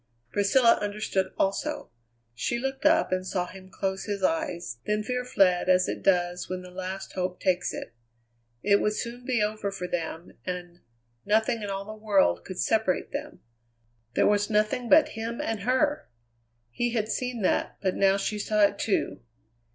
Priscilla understood also. She looked up and saw him close his eyes; then fear fled, as it does when the last hope takes it. It would soon be over for them, and nothing in all the world could separate them. There was nothing but him and her! He had seen that; but now she saw it, too.